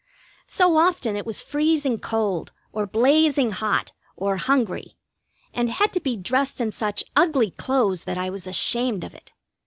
So often it was freezing cold, or blazing hot, or hungry, and had to be dressed in such ugly clothes that I was ashamed of it.